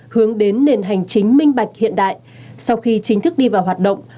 hướng đến nền hành chính minh bạch hiện đại sau khi chính thức đi vào hoạt động